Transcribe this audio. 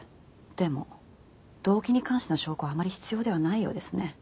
でも動機に関しての証拠はあまり必要ではないようですね。